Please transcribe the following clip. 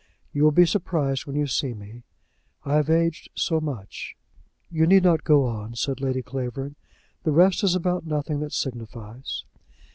You will be surprised when you see me. I have aged so much; " "You need not go on," said Lady Clavering. "The rest is about nothing that signifies."